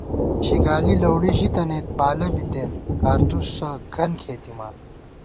شِگالی لؤڑی ژِی تنَئیت بالہ بِتېن کارتُوسہ گن کھېتِمان